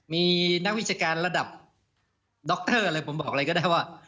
มีนักวิชาการระดับดรอะไรผมบอกอะไรก็ได้ว่า